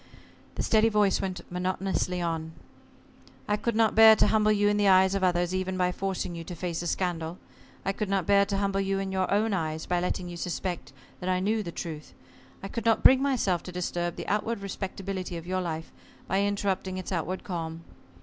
The steady voice went monotonously on. "I could not bear to humble you in the eyes of others even by forcing you to face a scandal. I could not bear to humble you in your own eyes by letting you suspect that I knew the truth. I could not bring myself to disturb the outward respectability of your life by interrupting its outward calm.